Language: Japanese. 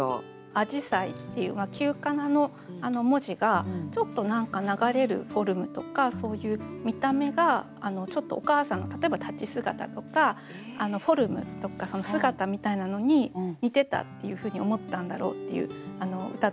「あぢさゐ」っていう旧仮名の文字がちょっと何か流れるフォルムとかそういう見た目がちょっとお母さんの例えば立ち姿とかフォルムとか姿みたいなのに似てたっていうふうに思ったんだろうっていう歌だと思いました。